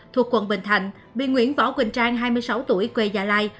thuộc quận bình thạnh bị nguyễn võ quỳnh trang hai mươi sáu tuổi quê gia lai